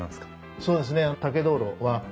そうですね。